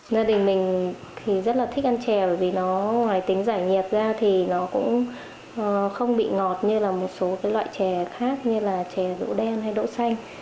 gia đình mình thì rất là thích ăn chè vì nó ngoài tính giải nhiệt ra thì nó cũng không bị ngọt như là một số loại chè khác như là chè rũ đen hay đỗ xanh